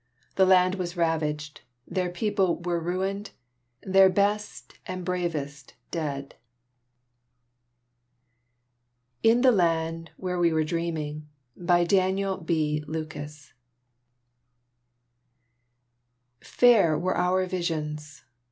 Their land was ravaged, their people were ruined, their best and bravest dead. IN THE LAND WHERE WE WERE DREAMING Fair were our visions!